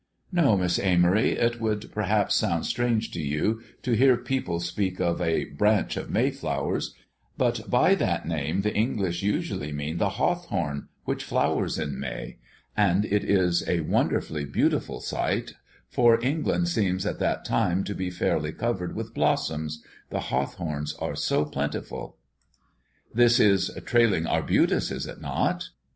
"No, Miss Amory. It would perhaps sound strange to you to hear people speak of a 'branch of mayflowers,' but by that name the English usually mean the hawthorn, which flowers in May. And it is a wonderfully beautiful sight, for England seems at that time to be fairly covered with blossoms, the hawthorns are so plentiful." "This is 'trailing arbutus,' is it not?"